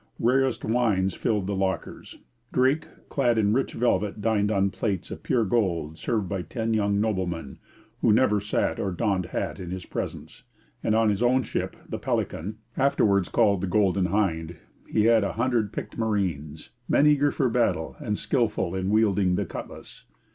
Rarest wines filled the lockers. Drake, clad in rich velvet, dined on plates of pure gold served by ten young noblemen, who never sat or donned hat in his presence; and on his own ship, the Pelican afterwards called the Golden Hind he had a hundred picked marines, men eager for battle and skilful in wielding the cutlass.